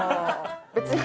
別に。